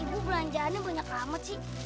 ibu belanjaannya banyak banget sih